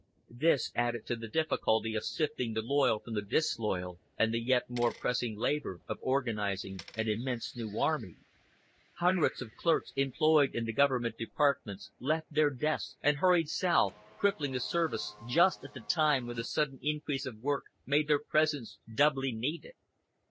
This added to the difficulty of sifting the loyal from the disloyal, and the yet more pressing labor of organizing an immense new army. Hundreds of clerks employed in the Government Departments left their desks and hurried South, crippling the service just at the time when the sudden increase of work made their presence doubly needed.